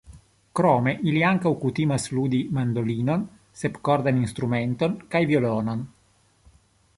Krome, ili ankaŭ kutimas ludi mandolinon, sepkordan instrumenton kaj violonon.